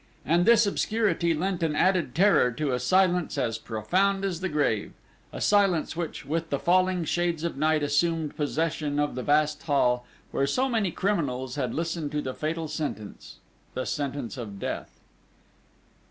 And this obscurity lent an added terror to a silence as profound as the grave, a silence which, with the falling shades of night, assumed possession of the vast hall, where so many criminals had listened to the fatal sentence the sentence of death.